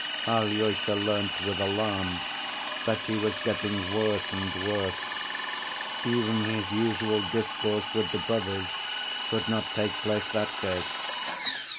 Alyosha learnt with alarm that he was getting worse and worse. Even his usual discourse with the brothers could not take place that day.